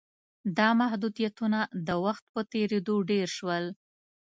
دا محدودیتونه د وخت په تېرېدو ډېر شول.